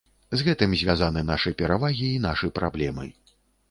З гэтым звязаны нашы перавагі і нашы праблемы.